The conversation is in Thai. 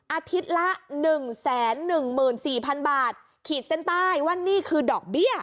อาทิตย์ละ๑๑๔๐๐๐บาทขีดเส้นใต้ว่านี่คือดอกเบี้ย